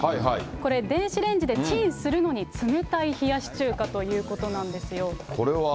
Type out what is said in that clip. これ、電子レンジでチンするのに冷たい冷やし中華ということなんですよ。